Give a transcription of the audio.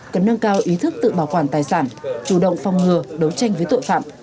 cần nâng cao ý thức tự bảo quản tài sản chủ động phòng ngừa đấu tranh với tội phạm